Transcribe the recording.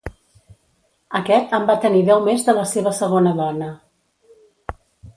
Aquest en va tenir deu més de la seva segona dona.